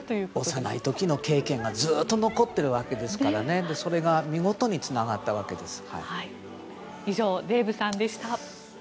幼い時の経験がずっと残っていてそれが見事につながったわけです。